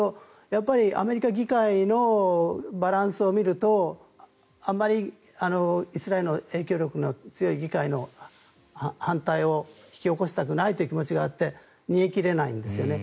やっぱりアメリカ議会のバランスを見るとあまりイスラエルの影響力の強い議会の反対を引き起こしたくないという気持ちがあって煮え切れないんですよね。